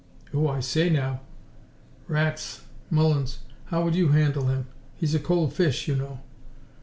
"Oh, I say now " "Rats! Mullins, how would you handle him? He's a cold fish, you know."